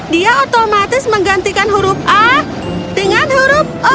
dia otomatis menggantikan huruf a dengan huruf a